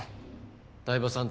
台場さん